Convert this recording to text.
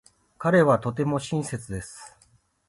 彼はとても親切です。